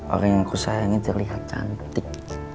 orang yang aku sayangi terlihat cantik